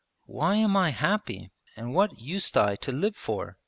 'Why am I happy, and what used I to live for?'